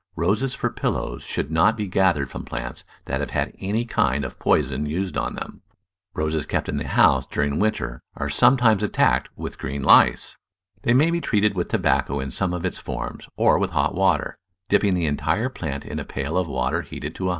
Roses for pillows should not be gathered from plants that have had any kind of poison used on them. Roses kept in the house during winter are some* f Digitized by Google 178 The Flower Garden times attacked with green lice. They may be treated with tobacco in some of its forms, or with hot water — dipping the entire plant in a pail of water heated to 130